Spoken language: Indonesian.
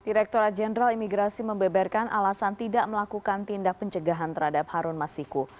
direkturat jenderal imigrasi membeberkan alasan tidak melakukan tindak pencegahan terhadap harun masiku